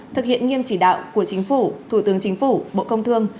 thực hiện nghiêm chỉ đạo của chính phủ thủ tướng chính phủ bộ công thương